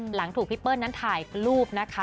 หลังถูกพี่เปิ้ลนั้นถ่ายรูปนะคะ